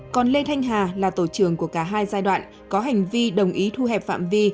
còn lê thanh hà là tổ trưởng của cả hai giai đoạn có hành vi đồng ý thu hẹp phạm vi